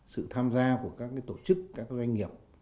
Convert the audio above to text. sự tham gia của các tổ chức các doanh nghiệp